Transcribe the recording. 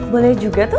boleh juga tuh